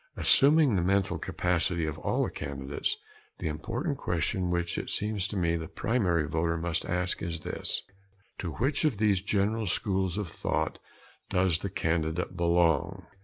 Assuming the mental capacity of all the candidates, the important question which it seems to me the primary voter must ask is this: "To which of these general schools of thought does the candidate belong?"